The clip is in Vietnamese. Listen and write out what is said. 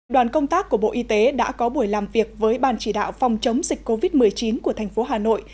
đoàn công tác của bộ y tế đã có buổi làm việc với ban chỉ đạo phòng chống dịch covid một mươi chín của thành phố hà nội